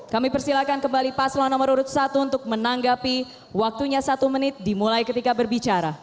kami persilakan kembali paslon nomor urut satu untuk menanggapi waktunya satu menit dimulai ketika berbicara